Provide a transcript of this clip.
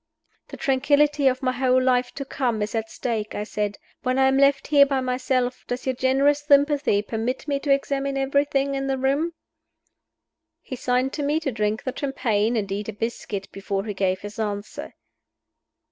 "The tranquillity of my whole life to come is at stake," I said. "When I am left here by myself, does your generous sympathy permit me to examine everything in the room?" He signed to me to drink the champagne and eat a biscuit before he gave his answer.